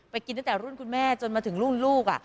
ไปกินตั้งแต่รุ่นคุณแม่จนมาถึงลูกอ่ะ